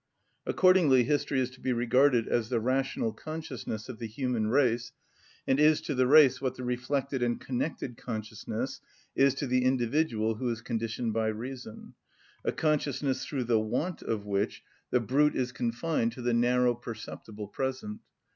Accordingly history is to be regarded as the rational consciousness of the human race, and is to the race what the reflected and connected consciousness is to the individual who is conditioned by reason, a consciousness through the want of which the brute is confined to the narrow, perceptible present.